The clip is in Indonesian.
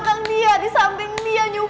kamu dari tempat tanks